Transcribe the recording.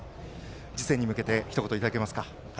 次戦に向けてひと言お願いできますか。